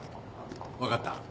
分かった。